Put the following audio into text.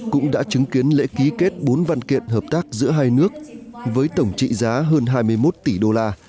cũng đã chứng kiến lễ ký kết bốn văn kiện hợp tác giữa hai nước với tổng trị giá hơn hai mươi một tỷ đô la